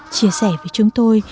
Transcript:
chia sẻ với chúng tôi